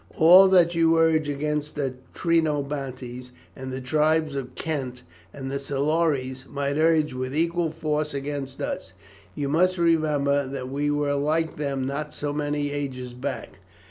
All that you urge against the Trinobantes and the tribes of Kent the Silures might urge with equal force against us. You must remember that we were like them not so many ages back.